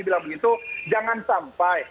bilang begitu jangan sampai